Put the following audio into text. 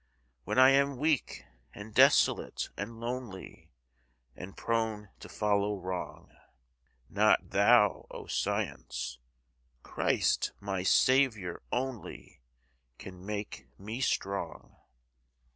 When I am weak, and desolate, and lonely— And prone to follow wrong? Not thou, O Science—Christ, my Saviour, only Can make me strong.